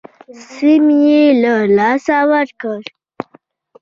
سیمې یې له لاسه ورکړې.